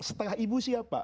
setelah ibu siapa